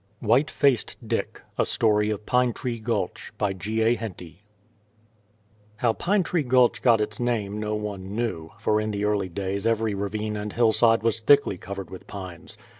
WHITE FACED DICK: A STORY OF PINE TREE GULCH How Pine Tree Gulch got its name no one knew, for in the early days every ravine and hillside was thickly covered with pines.